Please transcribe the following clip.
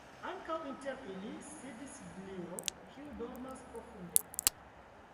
Ankaŭ inter ili sidis Gliro, kiu dormas profunde.